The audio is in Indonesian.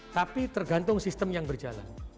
tapi tergantung sistem yang berjalan